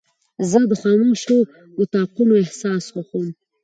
زه د خاموشو اتاقونو احساس خوښوم.